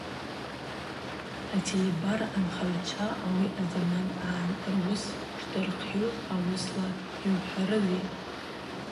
Ателебара анхагӏвчва ауи азаман агӏан руыс шдырхъйуз ауысла йухӏварызйа?